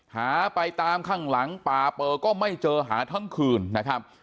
หาไปตามข้างหลังป่าเปิดก็ไม่เจอหาทั้งคืนนะครับ